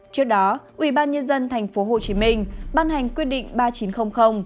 trước đó ubnd tp hcm ban hành quyết định ba nghìn chín trăm linh